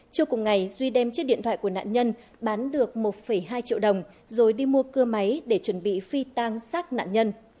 trước cùng ngày duy đem chiếc điện thoại của nạn nhân bán được một hai triệu đồng rồi đi mua cưa máy để chuẩn bị phi tang xác nạn nhân